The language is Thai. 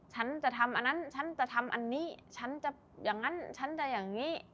ฉันจะทำอันนั้นฉันจะทำอันนี้ฉันจะอย่างนั้นฉันจะอย่างนี้